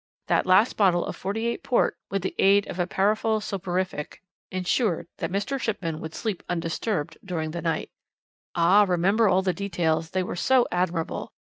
That last bottle of '48 port, with the aid of a powerful soporific, ensured that Mr. Shipman would sleep undisturbed during the night. "Ah! remember all the details, they were so admirable!